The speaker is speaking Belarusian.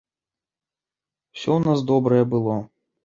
Усё ў нас добрае было.